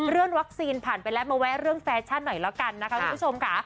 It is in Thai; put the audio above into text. เรื่องวัคซีนผ่านไปแล้วมาแวะเรื่องแฟชั่นหน่อยแล้วกันนะคะคุณผู้ชมค่ะ